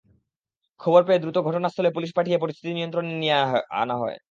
খবর পেয়ে দ্রুত ঘটনাস্থলে পুলিশ পাঠিয়ে পরিস্থিতি নিয়ন্ত্রণে নিয়ে আনা হয়।